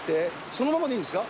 そのままでいいんですか？